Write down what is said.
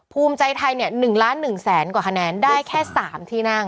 ภูมิใจไทย๑ล้าน๑แสนกว่าคะแนนได้แค่๓ที่นั่ง